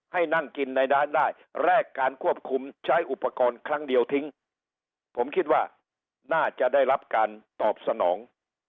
ให้นั่งกินในร้านได้แรกการควบคุมใช้อุปกรณ์ครั้งเดียวทิ้งผมคิดว่าน่าจะได้รับการตอบสนอง